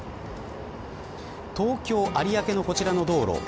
東京、有明のこちらの道路。